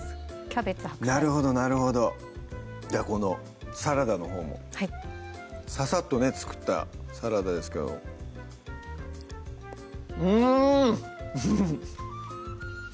キャベツ・白菜なるほどなるほどじゃこのサラダのほうもはいササッとね作ったサラダですけどうん！